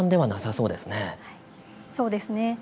そうですね。